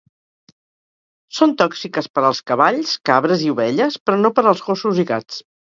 Són tòxiques per als cavalls, cabres i ovelles, però no per als gossos i gats.